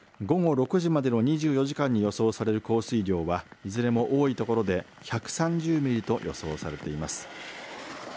午後６時までの２４時間に予想される降水量はいずれも多い所で１３０ミリと予想されています。